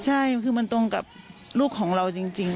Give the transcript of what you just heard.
ใช่คือมันตรงกับลูกของเราจริง